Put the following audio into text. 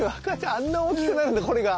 あんな大きくなるんだこれが。